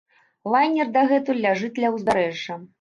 Лайнер дагэтуль ляжыць ля ўзбярэжжа.